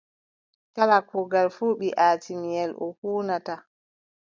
Kala kuugal fuu ɓii atiimiyel o huunata.